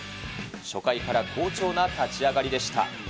初回から好調な立ち上がりでした。